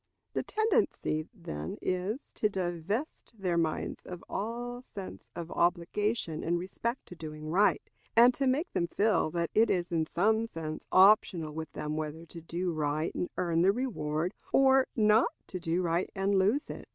The tendency, then, is, to divest their minds of all sense of obligation in respect to doing right, and to make them feel that it is in some sense optional with them whether to do right and earn the reward, or not to do right and lose it.